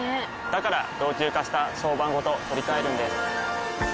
から老朽化した床版ごと取り替えるんです。